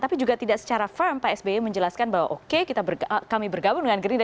tapi juga tidak secara firm pak sby menjelaskan bahwa oke kami bergabung dengan gerindra